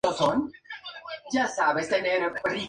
Con ella tuvo dos hijas, Eudoxia y Placidia.